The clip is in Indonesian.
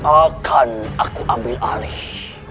akan aku ambil alih